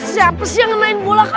siapa sih yang main bola